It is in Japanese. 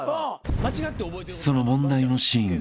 ［その問題のシーンが］